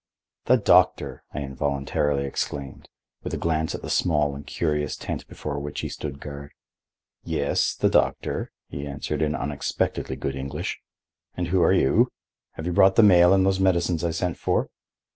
"The doctor!" I involuntarily exclaimed, with a glance at the small and curious tent before which he stood guard. "Yes, the doctor," he answered in unexpectedly good English. "And who are you? Have you brought the mail and those medicines I sent for?"